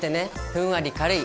「ふんわり軽い！